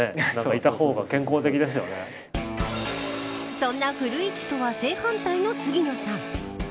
そんな古市とは正反対の杉野さん。